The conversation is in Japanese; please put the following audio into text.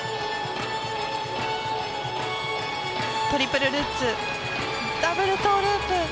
トリプルルッツダブルトウループ。